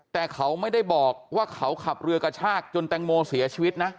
แต่เขาไม่ได้บอกว่าเขาขับเรือกระชากจนแตงโมเสียชีวิตนะ